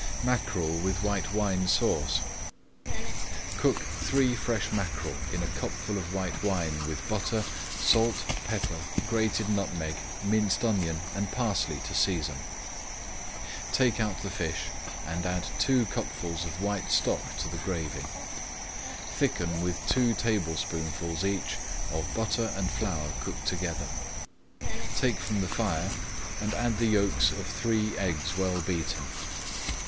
MACKEREL WITH WHITE WINE SAUCE Cook three fresh mackerel in a cupful of white wine, with butter, salt, pepper, grated nutmeg, minced onion, and parsley to season. [Page 231] Take out the fish, and add two cupfuls of white stock to the gravy. Thicken with two tablespoonfuls each of butter and flour cooked together, take from the fire, and add the yolks of three eggs well beaten.